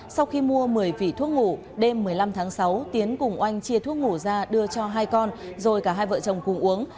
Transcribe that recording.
sau khi mua một mươi vỉ thuốc ngủ đêm một mươi năm tháng sáu tiến cùng oanh chia thuốc ngủ ra đưa cho hai con rồi cả hai vợ chồng cùng uống